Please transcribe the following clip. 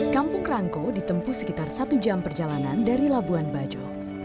kampung rangkau ditempuh sekitar satu jam perjalanan dari labuan bajo